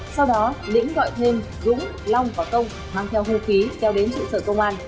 sau đó lĩnh gọi thêm dũng long và công mang theo hô khí kéo đến trụ sở công an